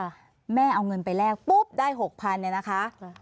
แม่เอาเงินไปแลกปุ๊บได้๖๐๐เนี่ยนะคะ